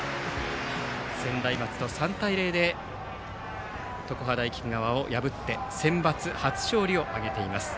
専大松戸、３対０で常葉大菊川を破ってセンバツ初勝利を挙げています。